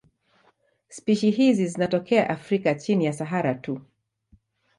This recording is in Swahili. Spishi hizi zinatokea Afrika chini ya Sahara tu.